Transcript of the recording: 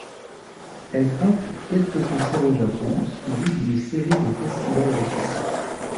Elle compte quelques concerts au Japon suivis d'une série de festivals européens.